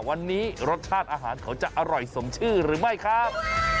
วันนี้รสชาติอาหารเขาจะอร่อยสมชื่อหรือไม่ครับ